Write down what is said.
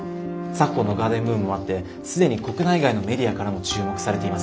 昨今のガーデンブームもあって既に国内外のメディアからも注目されています。